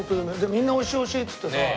みんな「美味しい美味しい」っつってさ。